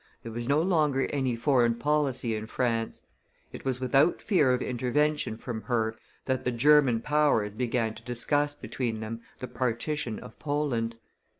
There was no longer any foreign policy in France. It was without fear of intervention from her that the German powers began to discuss between them the partition of Poland.